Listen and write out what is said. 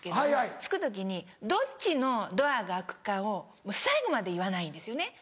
着く時にどっちのドアが開くかを最後まで言わないんですよね。